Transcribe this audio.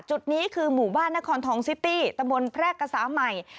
จุดนี้คือหมู่บ้านนครทองซิตี้ตะบนแพรกษาใหม่